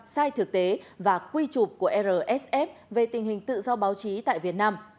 sai thực tế và quy trục của rsf về tình hình tự do báo chí tại việt nam